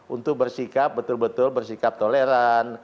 untuk bersikap betul betul bersikap toleran